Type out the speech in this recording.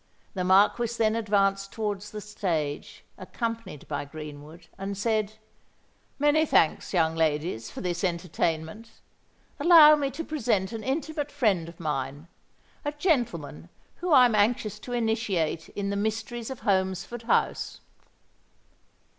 The Marquis then advanced towards the stage, accompanied by Greenwood, and said, "Many thanks, young ladies, for this entertainment. Allow me to present an intimate friend of mine—a gentleman whom I am anxious to initiate in the mysteries of Holmesford House."